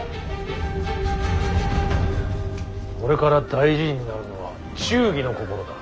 これから大事になるのは忠義の心だ。